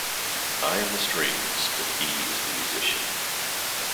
I am the strings, but he is the musician.